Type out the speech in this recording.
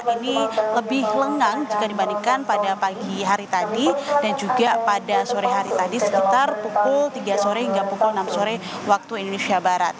ini lebih lengang jika dibandingkan pada pagi hari tadi dan juga pada sore hari tadi sekitar pukul tiga sore hingga pukul enam sore waktu indonesia barat